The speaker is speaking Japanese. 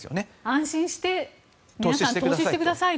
安心して皆さん、投資してくださいと。